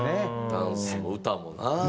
ダンスも歌もな。